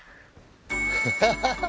ハハハハ。